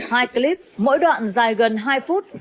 hai clip mỗi đoạn dài gần hai phút